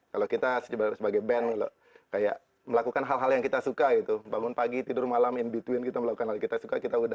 kalau kita sebagai band kayak melakukan hal hal yang kita suka gitu bangun pagi tidur malam in between kita melakukan hal kita suka